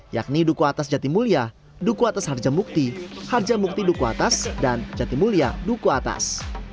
yakni duku atas jatimulya duku atas harjamukti harjamukti duku atas dan jatimulya duku atas